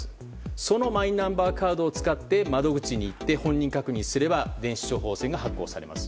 そのマイナンバーカードを使って窓口に行って本人確認すれば電子処方箋が発行されます。